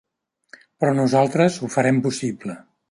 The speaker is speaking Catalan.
Però nosaltres ho farem possible.